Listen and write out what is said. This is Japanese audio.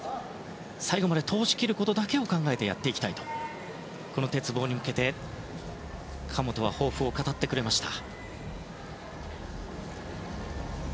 最後まで通しきることだけを考えてやっていきたいと鉄棒に向けて神本は抱負を語ってくれました。